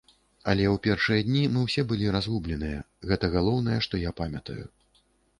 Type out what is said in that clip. Але ў першыя дні мы ўсе былі разгубленыя, гэта галоўнае, што я памятаю.